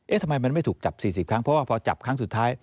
ทำไมมันไม่ถูกจับ๔๐ครั้งเพราะว่าพอจับครั้งสุดท้าย